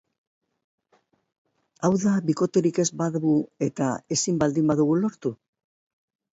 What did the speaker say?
Hau da, bikoterik ez badugu eta ezin baldin badugu lortu?